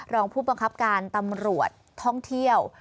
รองผู้บังคับการตำรวจท่องเที่ยว